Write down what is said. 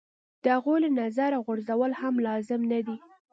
د هغوی له نظره غورځول هم لازم نه دي.